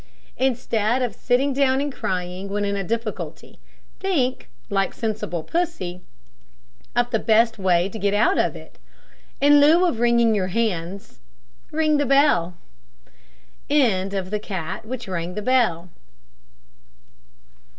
Instead of sitting down and crying when in a difficulty, think, like sensible Pussy, of the best way to get out of it. In lieu of wringing your hands, ring the bell.